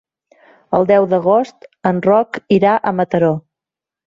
El deu d'agost en Roc irà a Mataró.